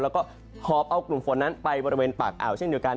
แล้วก็หอบเอากลุ่มฝนนั้นไปบริเวณปากอ่าวเช่นเดียวกัน